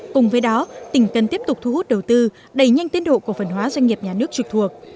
cùng với đó tỉnh cần tiếp tục thu hút đầu tư đẩy nhanh tiến độ cổ phần hóa doanh nghiệp nhà nước trực thuộc